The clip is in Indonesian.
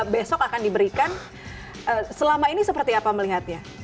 besok akan diberikan selama ini seperti apa melihatnya